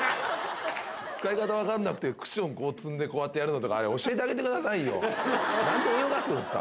使い方分かんなくて、クッションこう積んで、こうやってやるのとか、あれ、教えてあげてくださいよ、なんで泳がすんですか？